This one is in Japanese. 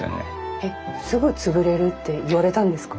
えっ「すぐ潰れる」って言われたんですか？